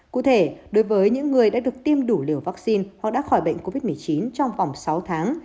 cụ thể đối với những người đã được tiêm đủ liều vaccine hoặc đã khỏi bệnh covid một mươi chín trong vòng sáu tháng